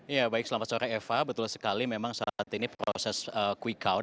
ya baik selamat sore eva betul sekali memang saat ini proses quick count